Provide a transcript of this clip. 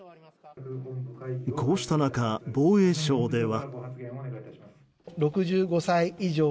こうした中、防衛省では。